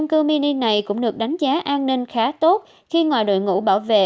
năm cư mini này cũng được đánh giá an ninh khá tốt khi ngoài đội ngũ bảo vệ